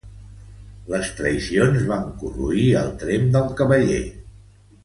Les traïcions van corroir el tremp del cavaller.